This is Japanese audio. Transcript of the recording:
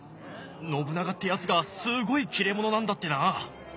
信長ってやつがすごい切れ者なんだってな。